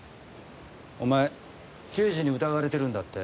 お前刑事に疑われてるんだって？